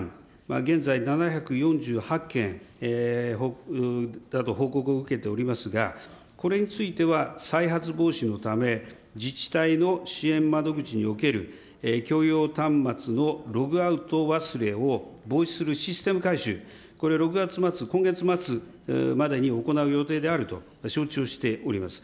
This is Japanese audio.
現在７４８件報告を受けておりますが、これについては、再発防止のため、自治体の支援窓口における共用端末のログアウト忘れを防止するシステム改修、これ６月末、今月末までに行う予定であると承知をしております。